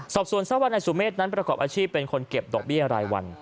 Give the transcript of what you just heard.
สอบสวนทราบว่านายสุเมฆนั้นประกอบอาชีพเป็นคนเก็บดอกเบี้ยรายวัน